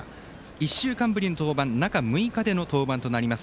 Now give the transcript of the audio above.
１週間ぶりの登板中６日での登板となります。